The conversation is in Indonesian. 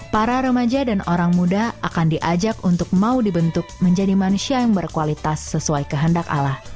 para remaja dan orang muda akan diajak untuk mau dibentuk menjadi manusia yang berkualitas sesuai kehendak allah